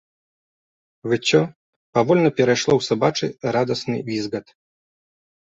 Выццё павольна перайшло ў сабачы радасны візгат.